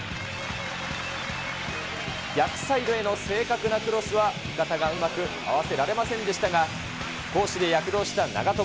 逆サイドへの正確なクロスは、味方がうまく合わせられませんでしたが、攻守で躍動した長友。